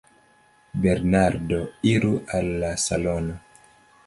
Bernardo: Iru al la salono.